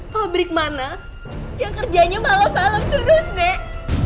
pabrik mana yang kerjanya malem malem terus nek